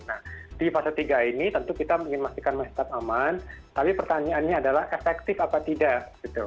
nah di fase tiga ini tentu kita ingin memastikan masih tetap aman tapi pertanyaannya adalah efektif apa tidak gitu